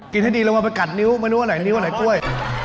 ให้ดีเรามาประกัดนิ้วไม่รู้ว่าไหนนิ้วอันไหนกล้วย